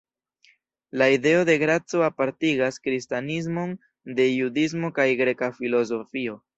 La ideo de graco apartigas kristanismon de judismo kaj greka filozofio.